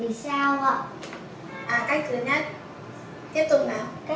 vì sao ạ